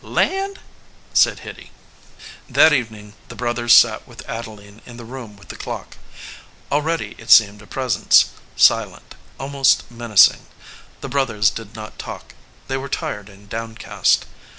"Land !" said Hitty. That evening the brothers sat with Adeline in the room with the clock. Already it seemed a pres ence, silent, almost menacing. The brothers did not talk. They were tired and downcast.